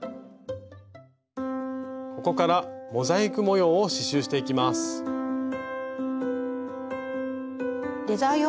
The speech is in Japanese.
ここからモザイク模様を刺しゅうしていきます。